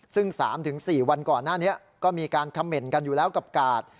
ซึ่ง๓๔วันก่อนหน้านี้ก็มีการคำเมนต์กันอยู่แล้วกับกาด